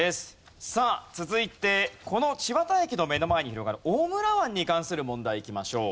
さあ続いてこの千綿駅の目の前に広がる大村湾に関する問題いきましょう。